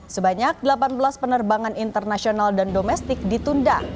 sebanyak delapan belas penerbangan internasional dan domestik ditunda